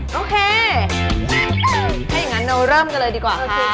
โอเคถ้าอย่างนั้นเราเริ่มกันเลยดีกว่าค่ะ